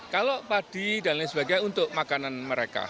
kalau padi dan lain sebagainya untuk makanan mereka